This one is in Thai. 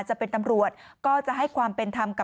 คุณผู้ชมครอบครัวบอกว่าเดี๋ยวเสร็จสิ้นหลังงานเทศกาลลอยกระทงแล้วนะคะ